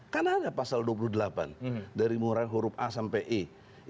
karena ada pasal dua puluh delapan dari murah huruf a sampai e